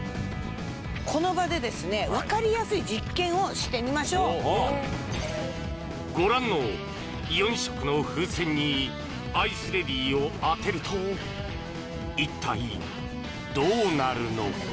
この場でですね分かりやすい実験をしてみましょうご覧の４色の風船にアイスレディを当てると一体どうなるのか？